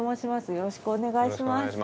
よろしくお願いします。